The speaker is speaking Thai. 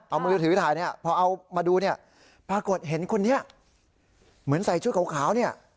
เอามือถือถ่ายเนี่ยพอเอามาดูเนี่ยปรากฏเห็นคนนี้เหมือนใส่ชุดขาวเนี่ย